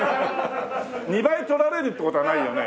２倍取られるって事はないよね？